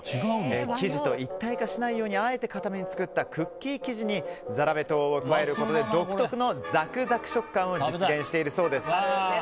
生地と一体化しないようにあえて固めに作ったクッキー生地にザラメ糖を加えることで独特のザクザク食感を実現しているそうです。